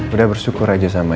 udah bersyukur aja sama